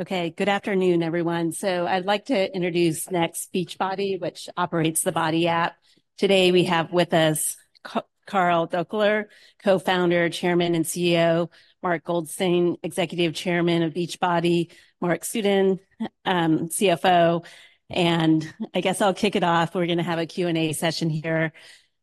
Okay, good afternoon, everyone. So I'd like to introduce next, Beachbody, which operates the BODi app. Today, we have with us Carl Daikeler, co-founder, chairman, and CEO; Mark Goldston, executive chairman of Beachbody; Marc Suidan, CFO. And I guess I'll kick it off. We're gonna have a Q&A session here.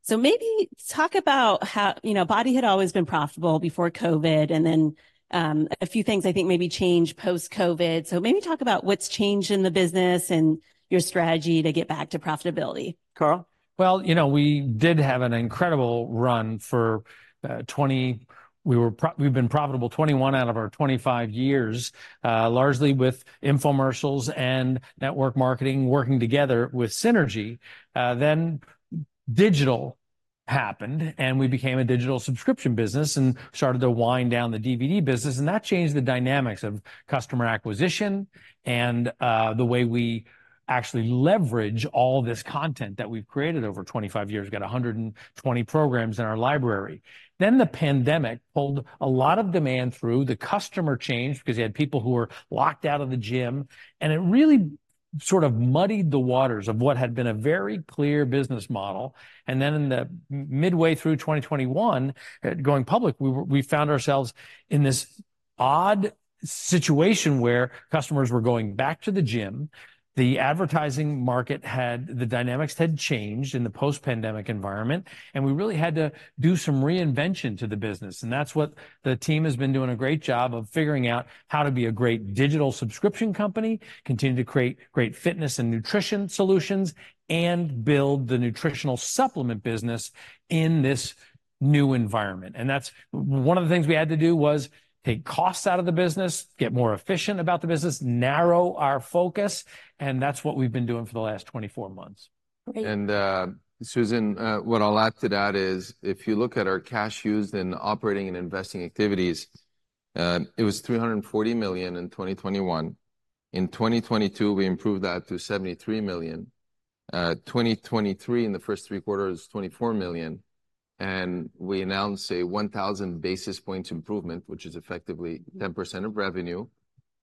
So maybe talk about how, you know, BODi had always been profitable before COVID, and then, a few things I think maybe changed post-COVID. So maybe talk about what's changed in the business and your strategy to get back to profitability. Carl? Well, you know, we did have an incredible run for 20—we've been profitable 21/25 years, largely with infomercials and network marketing working together with synergy. Then digital happened, and we became a digital subscription business and started to wind down the DVD business, and that changed the dynamics of customer acquisition and the way we actually leverage all this content that we've created over 25 years. Got 120 programs in our library. Then the pandemic pulled a lot of demand through. The customer changed, because you had people who were locked out of the gym, and it really sort of muddied the waters of what had been a very clear business model. And then midway through 2021, going public, we found ourselves in this odd situation where customers were going back to the gym, the advertising market had... the dynamics had changed in the post-pandemic environment, and we really had to do some reinvention to the business. And that's what the team has been doing a great job of figuring out how to be a great digital subscription company, continue to create great fitness and nutrition solutions, and build the nutritional supplement business in this new environment. And that's... One of the things we had to do was take costs out of the business, get more efficient about the business, narrow our focus, and that's what we've been doing for the last 24 months. Great. And, Susan, what I'll add to that is, if you look at our cash used in operating and investing activities, it was $340 million in 2021. In 2022, we improved that to $73 million. 2023, in the first three quarters, $24 million, and we announced a 1,000 basis points improvement, which is effectively 10% of revenue.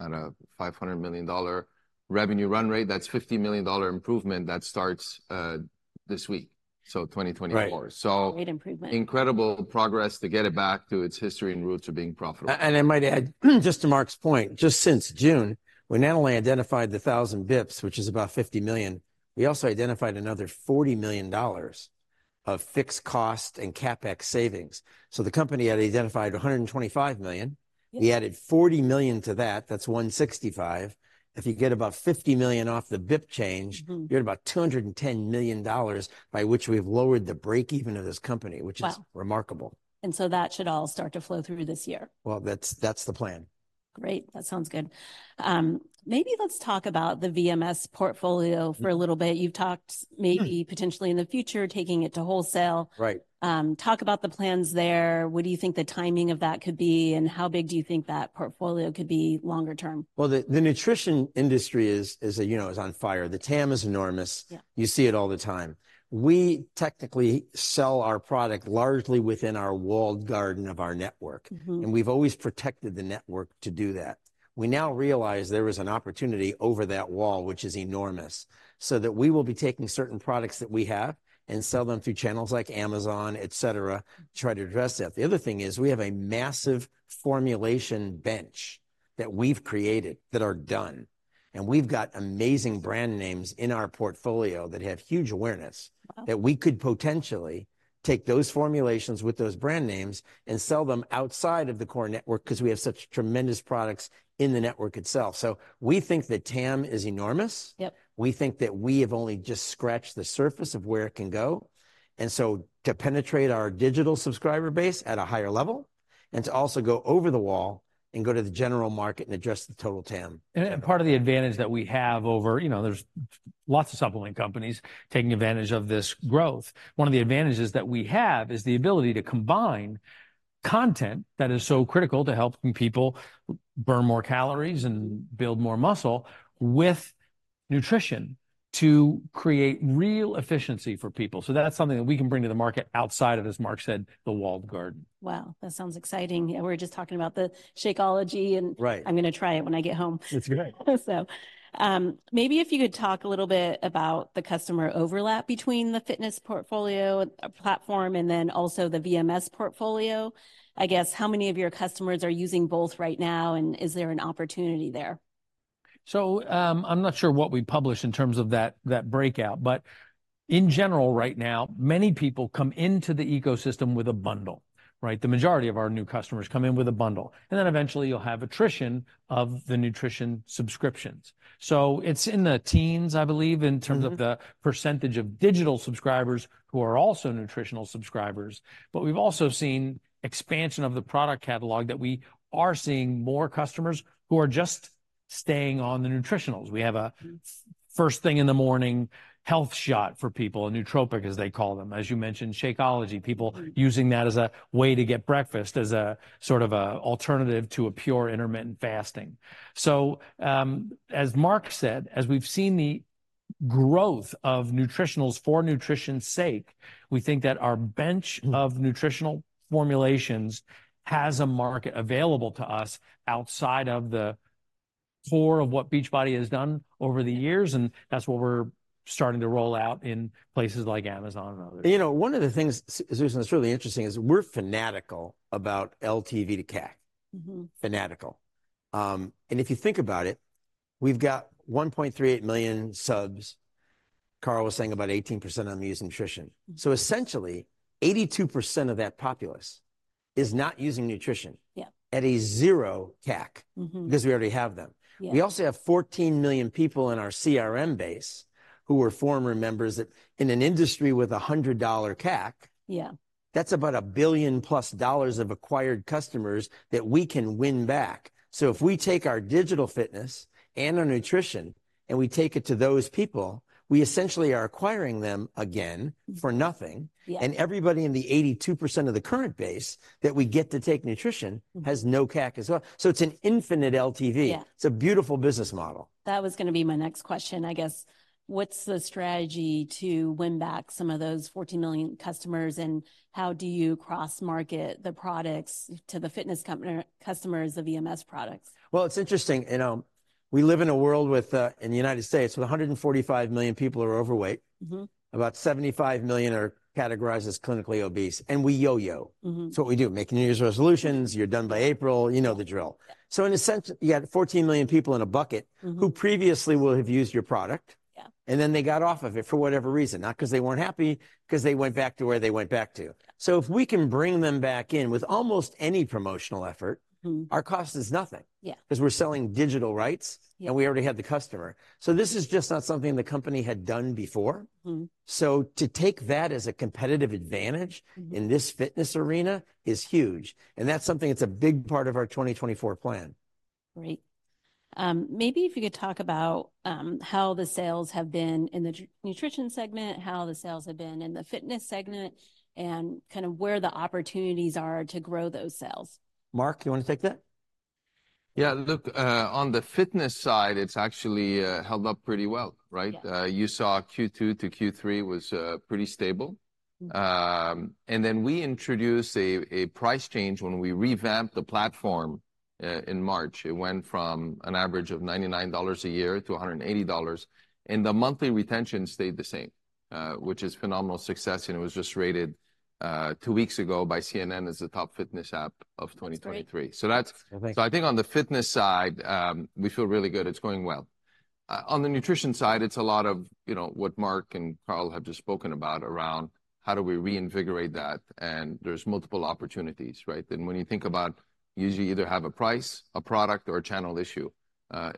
At a $500 million revenue run rate, that's $50 million improvement that starts this week, so 2024. Right. Great improvement. Incredible progress to get it back to its history and roots of being profitable. I might add, just to Mark's point, just since June, we not only identified the 1,000 bips, which is about $50 million, we also identified another $40 million of fixed cost and CapEx savings. So the company had identified $125 million. Yep. We added $40 million to that, that's $165 million. If you get about $50 million off the bips change you're at about $210 million, by which we've lowered the break-even of this company- Wow... which is remarkable. And so that should all start to flow through this year? Well, that's, that's the plan. Great. That sounds good. Maybe let's talk about the VMS portfolio for a little bit. You've talked maybe- Sure... potentially in the future, taking it to wholesale. Right. Talk about the plans there. What do you think the timing of that could be, and how big do you think that portfolio could be longer term? Well, the nutrition industry is, you know, on fire. The TAM is enormous. Yep. You see it all the time. We technically sell our product largely within our walled garden of our network. We've always protected the network to do that. We now realize there is an opportunity over that wall, which is enormous, so that we will be taking certain products that we have and sell them through channels like Amazon, et cetera, to try to address that. The other thing is, we have a massive formulation bench that we've created, that are done, and we've got amazing brand names in our portfolio that have huge awareness- Wow... that we could potentially take those formulations with those brand names and sell them outside of the core network, 'cause we have such tremendous products in the network itself. We think that TAM is enormous. Yep. We think that we have only just scratched the surface of where it can go, and so to penetrate our digital subscriber base at a higher level, and to also go over the wall and go to the general market and address the total TAM. And part of the advantage that we have over, you know, there's lots of supplement companies taking advantage of this growth. One of the advantages that we have is the ability to combine content that is so critical to helping people burn more calories and build more muscle, with nutrition to create real efficiency for people. So that's something that we can bring to the market outside of, as Mark said, the walled garden. Wow, that sounds exciting. Yeah, we were just talking about the Shakeology, and- Right... I'm gonna try it when I get home. It's great. Maybe if you could talk a little bit about the customer overlap between the fitness portfolio platform and then also the VMS portfolio. I guess, how many of your customers are using both right now, and is there an opportunity there? I'm not sure what we published in terms of that breakout, but in general, right now, many people come into the ecosystem with a bundle, right? The majority of our new customers come in with a bundle, and then eventually you'll have attrition of the nutrition subscriptions. So it's in the teens, I believe in terms of the percentage of digital subscribers who are also nutritional subscribers. But we've also seen expansion of the product catalog, that we are seeing more customers who are just staying on the nutritionals. We have a First Thing in the morning health shot for people, a nootropic, as they call them. As you mentioned, Shakeology, people using that as a way to get breakfast, as a sort of a alternative to a pure intermittent fasting. So, as Mark said, as we've seen the growth of nutritionals for nutrition's sake. We think that our bench of nutritional formulations has a market available to us outside of the core of what Beachbody has done over the years, and that's what we're starting to roll out in places like Amazon and others. You know, one of the things, Susan, that's really interesting is we're fanatical about LTV to CAC. Fanatical. And if you think about it, we've got 1.38 million subs. Carl was saying about 18% of them use nutrition. So essentially, 82% of that populace is not using nutrition- Yeah... at a 0 CAC because we already have them. Yeah. We also have 14 million people in our CRM base who were former members, that, in an industry with $100 CAC- Yeah... that's about $1 billion-plus of acquired customers that we can win back. So if we take our digital fitness and our nutrition, and we take it to those people, we essentially are acquiring them again for nothing. Yeah. Everybody in the 82% of the current base that we get to take nutrition has no CAC as well. So it's an infinite LTV. Yeah. It's a beautiful business model. That was gonna be my next question. I guess, what's the strategy to win back some of those 14 million customers, and how do you cross-market the products to the fitness customer, customers of VMS products? Well, it's interesting. You know, we live in a world with, in the United States, with 145 million people are overweight about 75 million are categorized as clinically obese, and we yo-yo. It's what we do. Make New Year's resolutions you're done by April, you know the drill. So in a sense, you have 14 million people in a bucket who previously will have used your product- Yeah... and then they got off of it for whatever reason. Not 'cause they weren't happy, 'cause they went back to where they went back to. So if we can bring them back in with almost any promotional effort our cost is nothing. Yeah. 'Cause we're selling digital rights- Yeah... and we already have the customer. This is just not something the company had done before. So to take that as a competitive advantage in this fitness arena is huge, and that's something that's a big part of our 2024 plan. Great. Maybe if you could talk about how the sales have been in the nutrition segment, how the sales have been in the fitness segment, and kind of where the opportunities are to grow those sales? Mark, you wanna take that? Yeah, look, on the fitness side, it's actually held up pretty well, right? Yeah. You saw Q2 to Q3 was pretty stable. Then we introduced a price change when we revamped the platform in March. It went from an average of $99 a year to $180, and the monthly retention stayed the same, which is phenomenal success, and it was just rated two weeks ago by CNN as the top fitness app of 2023. That's great. So that's- Great. So I think on the fitness side, we feel really good. It's going well. On the nutrition side, it's a lot of, you know, what Marc and Carl have just spoken about, around how do we reinvigorate that, and there's multiple opportunities, right? Then when you think about, usually you either have a price, a product, or a channel issue.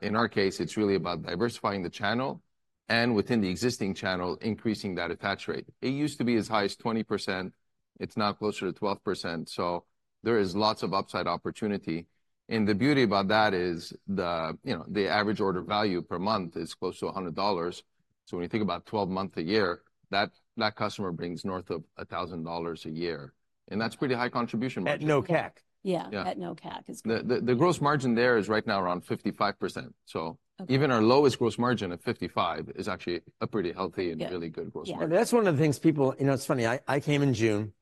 In our case, it's really about diversifying the channel, and within the existing channel, increasing that attach rate. It used to be as high as 20%. It's now closer to 12%, so there is lots of upside opportunity. And the beauty about that is the, you know, the average order value per month is close to $100, so when you think about 12 months a year, that, that customer brings north of $1,000 a year, and that's pretty high contribution margin. At no CAC. Yeah. Yeah. At no CAC. The gross margin there is right now around 55%, so- Okay... even our lowest gross margin at 55% is actually a pretty healthy- Yeah... and really good gross margin. Yeah. That's one of the things people... You know, it's funny, I, I came in June.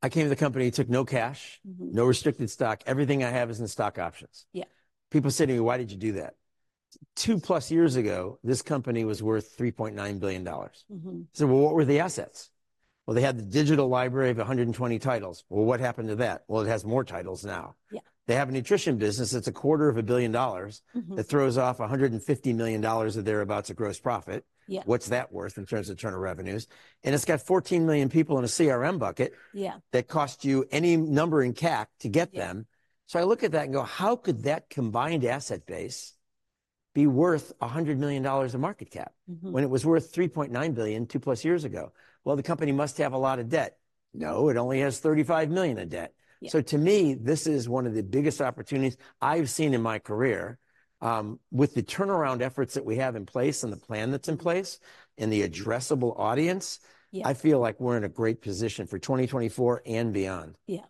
I came to the company, took no cash no restricted stock. Everything I have is in stock options. Yeah. People say to me, "Why did you do that?" 2+ years ago, this company was worth $3.9 billion. I said, "Well, what were the assets?" "Well, they had the digital library of 120 titles." "Well, what happened to that?" "Well, it has more titles now. Yeah. They have a nutrition business that's $250 million that throws off $150 million or thereabouts of gross profit. Yeah. What's that worth in terms of return of revenues? And it's got 14 million people in a CRM bucket- Yeah... that cost you any number in CAC to get them. Yeah. So I look at that and go, "How could that combined asset base be worth $100 million of market cap when it was worth $3.9 billion 2+ years ago?" "Well, the company must have a lot of debt." "No, it only has $35 million in debt. Yeah. To me, this is one of the biggest opportunities I've seen in my career. With the turnaround efforts that we have in place and the plan that's in place, and the addressable audience- Yeah... I feel like we're in a great position for 2024 and beyond. Yeah.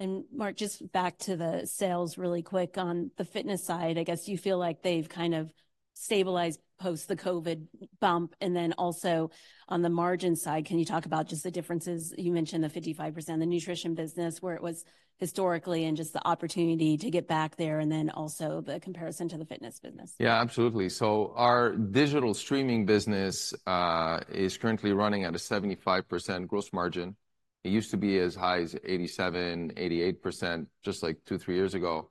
And Mark, just back to the sales really quick. On the fitness side, I guess you feel like they've kind of stabilized post the COVID bump, and then also on the margin side, can you talk about just the differences? You mentioned the 55%, the nutrition business, where it was historically, and just the opportunity to get back there, and then also the comparison to the fitness business. Yeah, absolutely. So our digital streaming business is currently running at a 75% gross margin. It used to be as high as 87%-88%, just like two, three years ago.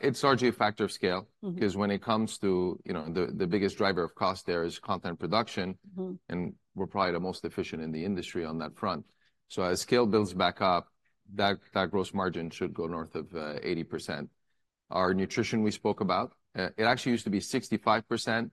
It's largely a factor of scale 'cause when it comes to, you know, the, the biggest driver of cost there is content production and we're probably the most efficient in the industry on that front. So as scale builds back up, that gross margin should go north of 80%. Our nutrition we spoke about, it actually used to be 65%.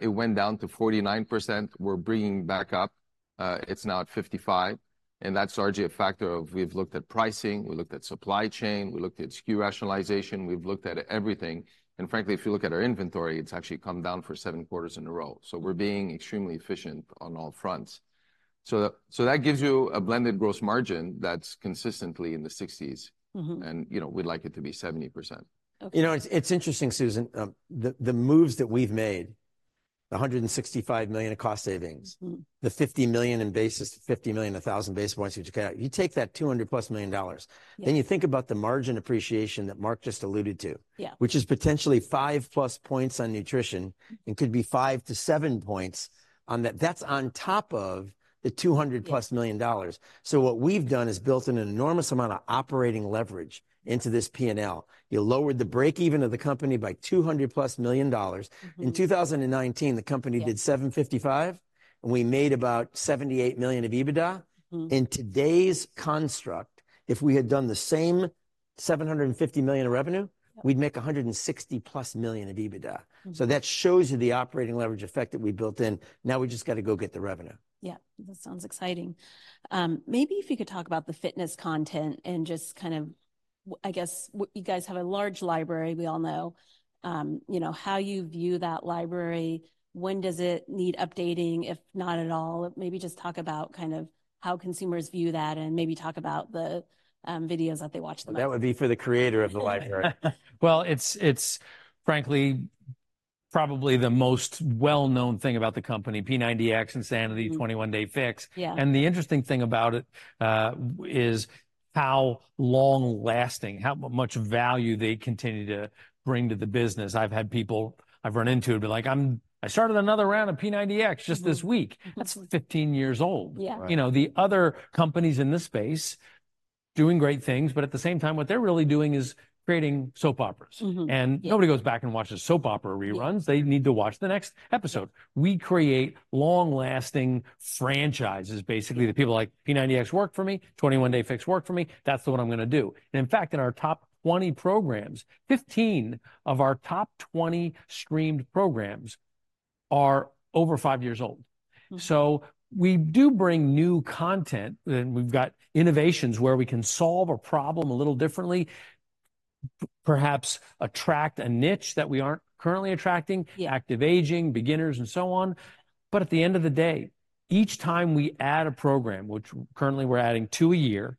It went down to 49%. We're bringing it back up. It's now at 55%, and that's largely a factor of we've looked at pricing, we looked at supply chain, we looked at SKU rationalization, we've looked at everything. And frankly, if you look at our inventory, it's actually come down for seven quarters in a row. So we're being extremely efficient on all fronts.... so that gives you a blended gross margin that's consistently in the 60s%. You know, we'd like it to be 70%. Okay. You know, it's interesting, Susan, the moves that we've made, the $165 million of cost savings the $50 million in basis, $50 million in 1,000 basis points, which you count, you take that $200+ million- Yeah... then you think about the margin appreciation that Mark just alluded to- Yeah... which is potentially 5+ points on nutrition, and could be five-seven points on that. That's on top of the $200+ million. Yeah. What we've done is built an enormous amount of operating leverage into this P&L. You lowered the break-even of the company by $200+ million. In 2019, the company did- Yeah... 755, and we made about $78 million of EBITDA. In today's construct, if we had done the same $750 million of revenue- Yeah... we'd make $160+ million of EBITDA. So that shows you the operating leverage effect that we built in. Now we've just gotta go get the revenue. Yeah, that sounds exciting. Maybe if you could talk about the fitness content, and just kind of, I guess, you guys have a large library, we all know. You know, how you view that library, when does it need updating, if not at all? Maybe just talk about kind of how consumers view that, and maybe talk about the videos that they watch the most. That would be for the creator of the library. Well, it's, it's frankly, probably the most well-known thing about the company, P90X, Insanity, 21 Day Fix. Yeah. The interesting thing about it is how long-lasting, how much value they continue to bring to the business. I've had people I've run into, be like, "I started another round of P90X just this week. That's 15 years old. Yeah. Right. You know, the other companies in this space, doing great things, but at the same time, what they're really doing is creating soap operas. Yeah. Nobody goes back and watches soap opera reruns. Yeah. They need to watch the next episode. We create long-lasting franchises, basically, that people are like, "P90X worked for me. 21 Day Fix worked for me. That's what I'm gonna do." And in fact, in our top 20 programs, 15 of our top 20 streamed programs are over five years old. So we do bring new content, and we've got innovations where we can solve a problem a little differently, perhaps attract a niche that we aren't currently attracting. Yeah... active aging, beginners, and so on. But at the end of the day, each time we add a program, which currently we're adding two year,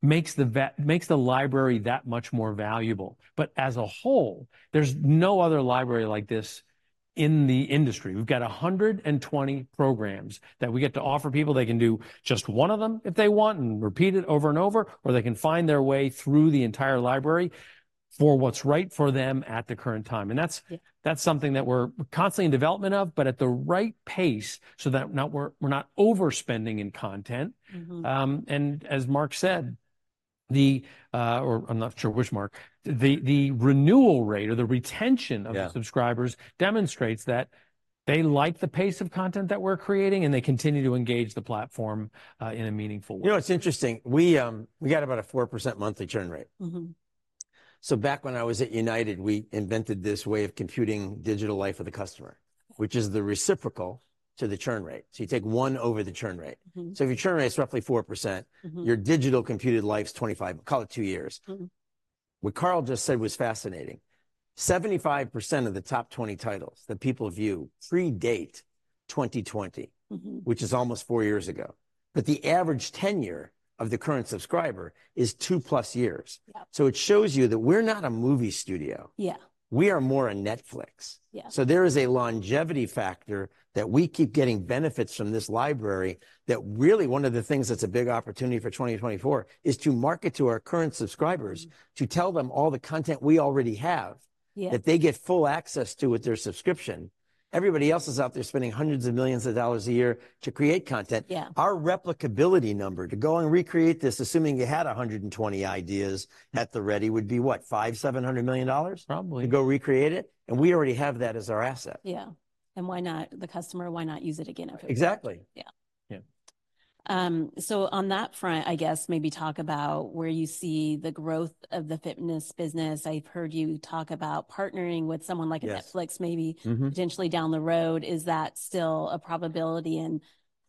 makes the library that much more valuable. But as a whole, there's no other library like this in the industry. We've got 120 programs that we get to offer people. They can do just one of them if they want, and repeat it over and over, or they can find their way through the entire library for what's right for them at the current time, and that's- Yeah... that's something that we're constantly in development of, but at the right pace, so that we're not overspending in content. And as Mark said, or I'm not sure which Mark, the renewal rate or the retention of the subscribers… Yeah... demonstrates that they like the pace of content that we're creating, and they continue to engage the platform in a meaningful way. You know, it's interesting, we got about a 4% monthly churn rate. Back when I was at United, we invented this way of computing digital life of the customer, which is the reciprocal to the churn rate. You take one over the churn rate. If your churn rate is roughly 4% your digital computed life is 25, call it two years. What Carl just said was fascinating. 75% of the top 20 titles that people view predate 2020 which is almost four years ago. But the average tenure of the current subscriber is 2+ years. Yeah. It shows you that we're not a movie studio. Yeah. We are more a Netflix. Yeah. So there is a longevity factor that we keep getting benefits from this library, that really, one of the things that's a big opportunity for 2024 is to market to our current subscribers to tell them all the content we already have- Yeah... that they get full access to with their subscription. Everybody else is out there spending hundreds of millions dollars a year to create content. Yeah. Our replicability number, to go and recreate this, assuming you had 120 ideas at the ready, would be what? $500 million, $700 million- Probably... to go recreate it, and we already have that as our asset. Yeah, and why not the customer? Why not use it again if- Exactly. Yeah. Yeah. On that front, I guess maybe talk about where you see the growth of the fitness business. I've heard you talk about partnering with someone like Netflix- Yes... maybe potentially down the road. Is that still a probability, and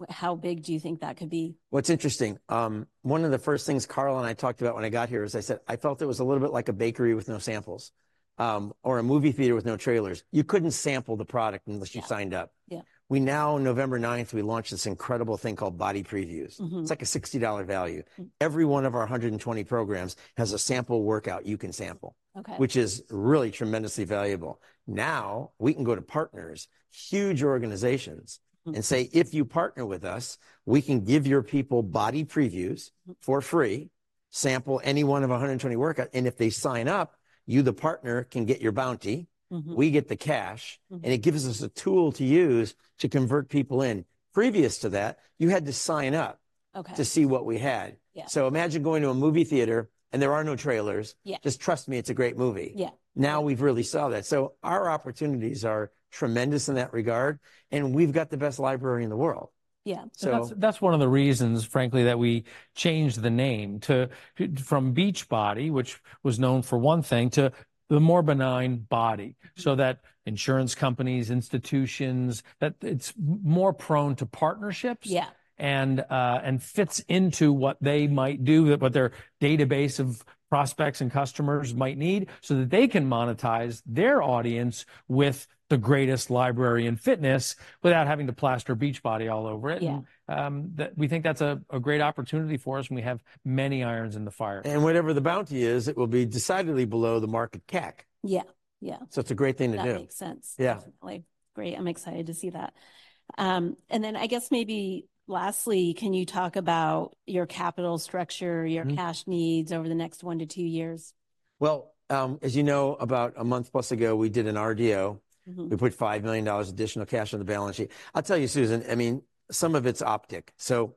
how big do you think that could be? Well, it's interesting, one of the first things Carl and I talked about when I got here, is I said I felt it was a little bit like a bakery with no samples, or a movie theater with no trailers. You couldn't sample the product unless you signed up. Yeah. Yeah. We now, November 9th, we launched this incredible thing called BODi Previews. It's like a $60 value. Every one of our 120 programs has a sample workout you can sample- Okay... which is really tremendously valuable. Now, we can go to partners, huge organizations and say, "If you partner with us, we can give your people BODi Previews for free, sample any one of 120 workout, and if they sign up, you, the partner, can get your bounty. We get the cash and it gives us a tool to use to convert people in. Previous to that, you had to sign up- Okay... to see what we had. Yeah. Imagine going to a movie theater, and there are no trailers. Yeah. Just, "Trust me, it's a great movie. Yeah. Now we've really solved that. So our opportunities are tremendous in that regard, and we've got the best library in the world.... So that's, that's one of the reasons, frankly, that we changed the name to, from Beachbody, which was known for one thing, to the more benign BODi. So that insurance companies, institutions, that it's more prone to partnerships- Yeah. and fits into what they might do, what their database of prospects and customers might need, so that they can monetize their audience with the greatest library in fitness without having to plaster Beachbody all over it. Yeah. We think that's a great opportunity for us, and we have many irons in the fire. Whatever the bounty is, it will be decidedly below the market cap. Yeah, yeah. It's a great thing to do. That makes sense. Yeah. Definitely. Great, I'm excited to see that. And then I guess maybe lastly, can you talk about your capital structure your cash needs over the next one-two years? Well, as you know, about a month plus ago, we did an RDO. We put $5 million additional cash on the balance sheet. I'll tell you, Susan, I mean, some of it's optics, so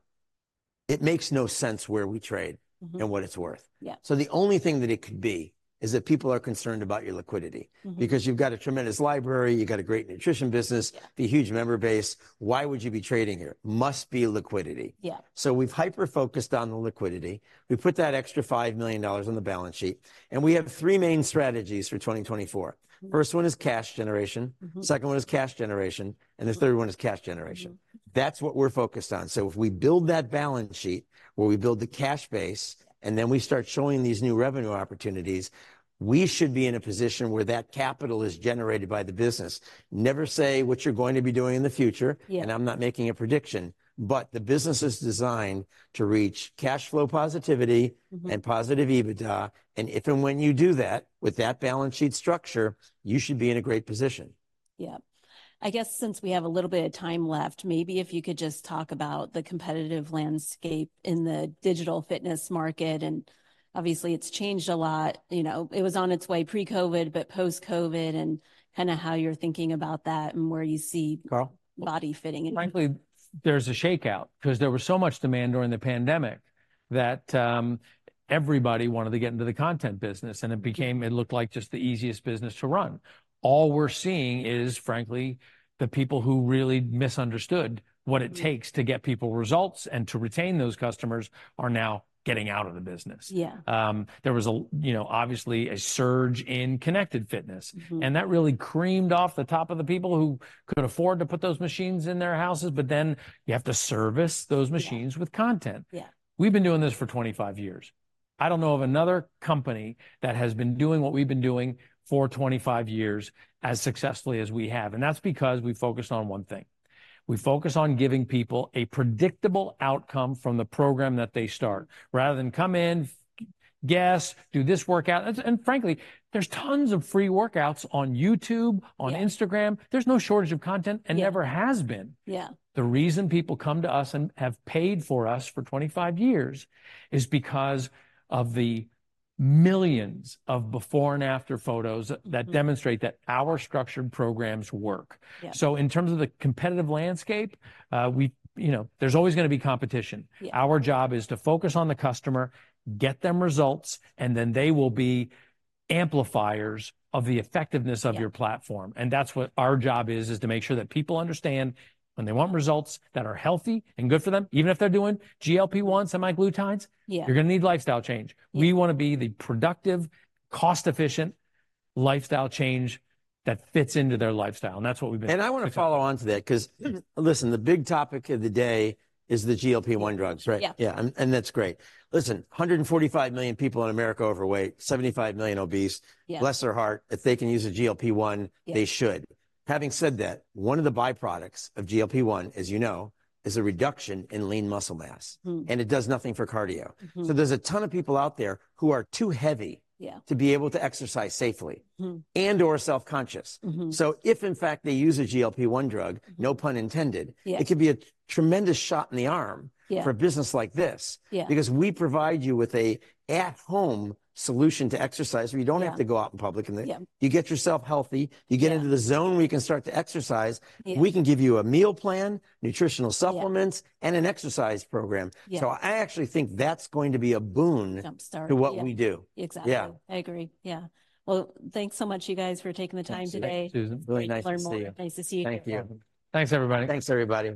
it makes no sense where we trade and what it's worth. Yeah. The only thing that it could be is that people are concerned about your liquidity. Because you've got a tremendous library, you've got a great nutrition business- Yeah... the huge member base. Why would you be trading here? Must be liquidity. Yeah. We've hyper-focused on the liquidity. We've put that extra $5 million on the balance sheet, and we have three main strategies for 2024. First one is cash generation. Second one is cash generation, and the third one is cash generation. That's what we're focused on. So if we build that balance sheet, where we build the cash base, and then we start showing these new revenue opportunities, we should be in a position where that capital is generated by the business. Never say what you're going to be doing in the future- Yeah... and I'm not making a prediction, but the business is designed to reach cash flow positivity and positive EBITDA, and if and when you do that, with that balance sheet structure, you should be in a great position. Yeah. I guess since we have a little bit of time left, maybe if you could just talk about the competitive landscape in the digital fitness market, and obviously it's changed a lot. You know, it was on its way pre-COVID, but post-COVID, and kinda how you're thinking about that, and where you see- Carl? BODi fitting in. Frankly, there's a shakeout, 'cause there was so much demand during the pandemic that, everybody wanted to get into the content business, and it became... It looked like just the easiest business to run. All we're seeing is, frankly, the people who really misunderstood what it takes to get people results and to retain those customers are now getting out of the business. Yeah. There was, you know, obviously a surge in connected fitness and that really creamed off the top of the people who could afford to put those machines in their houses, but then you have to service those machines with content. Yeah. We've been doing this for 25 years. I don't know of another company that has been doing what we've been doing for 25 years as successfully as we have, and that's because we focus on one thing. We focus on giving people a predictable outcome from the program that they start, rather than come in, guess, do this workout. And, and frankly, there's tons of free workouts on YouTube- Yeah... on Instagram. There's no shortage of content- Yeah... and never has been. Yeah. The reason people come to us and have paid for us for 25 years is because of the millions of before-and-after photos that demonstrate that our structured programs work. Yeah. So, in terms of the competitive landscape, you know, there's always gonna be competition. Yeah. Our job is to focus on the customer, get them results, and then they will be amplifiers of the effectiveness of your platform. Yeah. That's what our job is, is to make sure that people understand when they want results that are healthy and good for them, even if they're doing GLP-1 semaglutides- Yeah... you're gonna need lifestyle change. Yeah. We wanna be the productive, cost-efficient lifestyle change that fits into their lifestyle, and that's what we've been- I wanna follow on to that, 'cause, listen, the big topic of the day is the GLP-1 drugs, right? Yeah. Yeah, and that's great. Listen, 145 million people in America are overweight, 75 million obese. Yeah. Bless their heart, if they can use a GLP-1- Yeah... they should. Having said that, one of the byproducts of GLP-1, as you know, is a reduction in lean muscle mass. It does nothing for cardio. There's a ton of people out there who are too heavy- Yeah... to be able to exercise safely and/or self-conscious. So if, in fact, they use a GLP-1 drug, no pun intended- Yeah... it could be a tremendous shot in the arm- Yeah... for a business like this. Yeah. Because we provide you with a at-home solution to exercise, where you don't- Yeah... have to go out in public and the- Yeah. You get yourself healthy. Yeah. You get into the zone where you can start to exercise. Yeah. We can give you a meal plan, nutritional supplements- Yeah... and an exercise program. Yeah. I actually think that's going to be a boon- Jumpstart... to what we do. Exactly. Yeah. I agree, yeah. Well, thanks so much, you guys, for taking the time today. Absolutely, Susan. Really nice to see you. Nice to learn more. Nice to see you. Thank you. Thanks, everybody. Thanks, everybody.